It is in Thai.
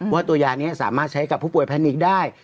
ว่าตัวยานี้สามารถใช้กับผู้ป่วยแพนิกได้